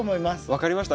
分かりました。